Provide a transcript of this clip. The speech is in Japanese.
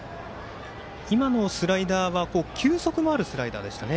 今のスライダーは球速のあるスライダーでしたね。